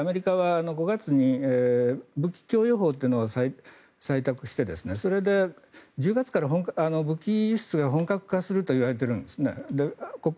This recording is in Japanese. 一方でアメリカは５月に武器供与法というのを採択して、それで１０月から武器輸出が本格化するといわれているんですね。